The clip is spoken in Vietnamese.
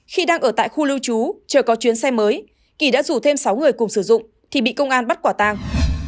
khi đang ở tại khu lưu trú chờ có chuyến xe mới kỳ đã rủ thêm sáu người cùng sử dụng thì bị công an bắt quả tàng